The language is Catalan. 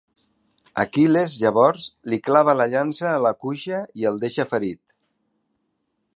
Aquil·les, llavors, li clavà la llança a la cuixa i el deixà ferit.